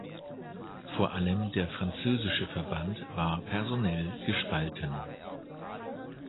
Vor allem der französische Verband war personell gespalten.